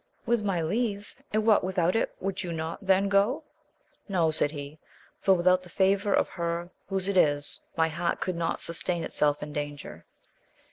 With my leave ! and what without it ? would you not then go ? No, said he ; for without the favour of her whose it is, my heart could not sus tain itself in danger.